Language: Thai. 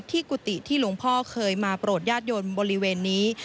กุฏิที่หลวงพ่อเคยมาโปรดญาติโยนบริเวณนี้